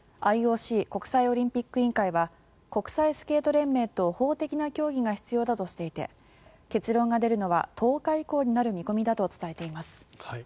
ＩＯＣ・国際オリンピック委員会は国際スケート連盟と法的な協議が必要だとしていて結論が出るのは１０日以降になる見込みだと伝えています。